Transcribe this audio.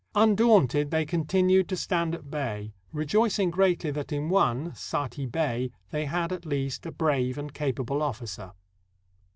Undaunted, they continued to stand at bay, rejoicing greatly that in one, Saati Bey, tliey had, at least, a brave and capable officer.